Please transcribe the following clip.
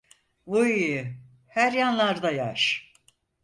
Vıyy, her yanlar da yaş!.